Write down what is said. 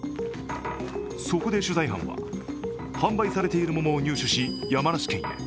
そこで取材班は販売されている桃を入手し山梨県へ。